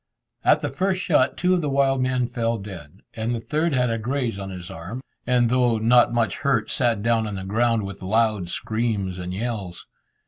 At the first shot two of the wild men fell dead, and the third had a graze on his arm, and though not much hurt, sat down on the ground with loud screams and yells.